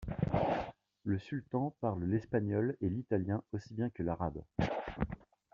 Le sultan parle l'espagnol et l'italien aussi bien que l'arabe.